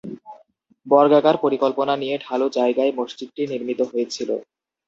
বর্গাকার পরিকল্পনা নিয়ে ঢালু জায়গায় মসজিদটি নির্মিত হয়েছিল।